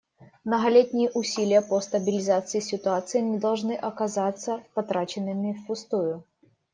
Многолетние усилия по стабилизации ситуации не должны оказаться потраченными впустую.